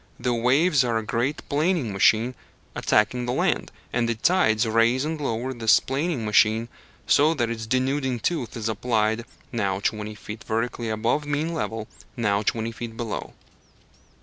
The waves are a great planing machine attacking the land, and the tides raise and lower this planing machine, so that its denuding tooth is applied, now twenty feet vertically above mean level, now twenty feet below.